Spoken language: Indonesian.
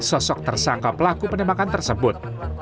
sosok tersangka pelaku penembakan tersebut